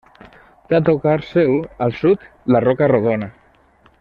Té a tocar seu, al sud, la Roca Rodona.